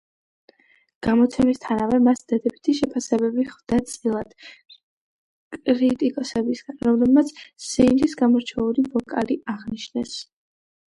გამოცემისთანავე მას დადებითი შეფასებები ხვდა წილად კრიტიკოსებისგან, რომლებმაც სინდის გამორჩეული ვოკალი აღნიშნეს.